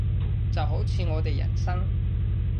就好似我哋人生